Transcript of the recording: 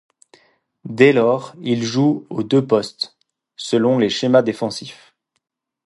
Dès lors, il joue aux deux postes, selon les schémas défensifs.